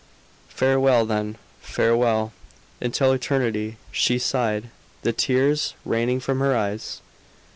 "Farewell, then; farewell, until eternity," she sighed, the tears raining from her eyes.